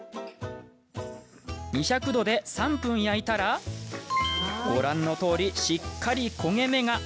２００度で３分、焼いたらご覧のとおり、しっかり焦げ目が。